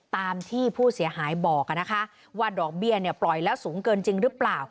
ตามที่ผู้เสียหายบอกว่าดอกเบี้ยปล่อยแล้วสูงเกินจริงหรือเปล่า